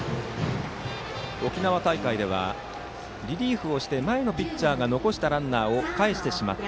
沖縄大会ではリリーフをして前のピッチャーが残したランナーをかえしてしまった。